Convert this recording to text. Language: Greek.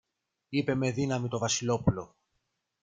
είπε με δύναμη το Βασιλόπουλο.